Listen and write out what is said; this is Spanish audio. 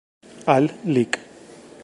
Al Lic.